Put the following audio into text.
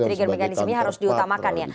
trigger mekanisme ini harus diutamakan ya